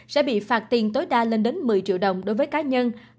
sẽ bị phạt tiền tối đa lên đến một mươi triệu đồng đối với cá nhân